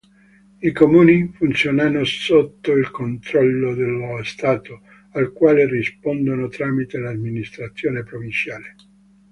I comuni funzionano sotto il controllo dello Stato, al quale rispondono tramite l'amministrazione provinciale.